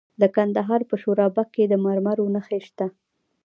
د کندهار په شورابک کې د مرمرو نښې شته.